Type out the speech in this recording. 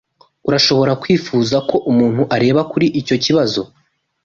Urashobora kwifuza ko umuntu areba kuri icyo kibazo.